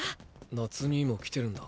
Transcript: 夏兄も来てるんだ。